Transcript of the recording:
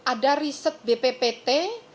ada riset bppt